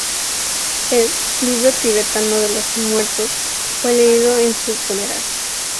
El "Libro Tibetano de los Muertos" fue leído en su funeral.